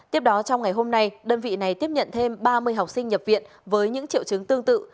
tiếp đó trong ngày hôm nay đơn vị này tiếp nhận thêm ba mươi học sinh nhập viện với những triệu chứng tương tự